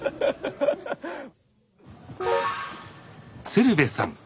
鶴瓶さん